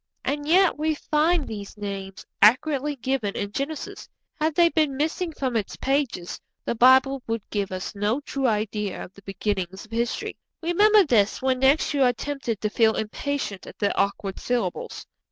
And yet we find these names accurately given in Genesis; had they been missing from its pages, the Bible would give us no true idea of the beginnings of history. Remember this when next you are tempted to feel impatient at the awkward syllables.